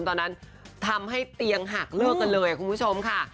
ตอนนั้นทำให้เตียงหักเลิกกันเลยคุณผู้ชมค่ะ